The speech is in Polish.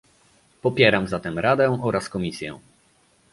Popieram zatem Radę oraz Komisję